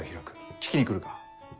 聴きに来るか？